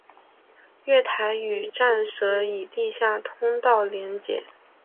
月台与站舍以地下通道连结。